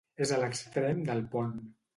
És a l'extrem del pont.